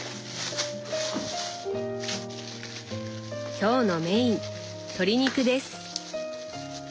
今日のメイン鶏肉です。